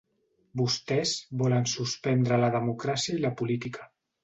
Vostès volen suspendre la democràcia i la política.